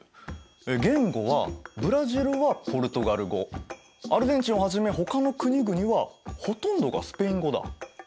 言語はブラジルはポルトガル語アルゼンチンをはじめほかの国々はほとんどがスペイン語だ。